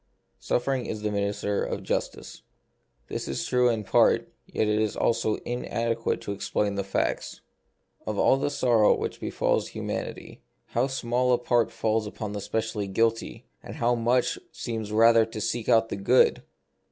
Suffering is the minister of justice. This is true in part, yet it also is in adequate to explain the facts. Of all the sor row which befalls humanity, how small a part falls upon the specially guilty ; how much seems rather to seek out the good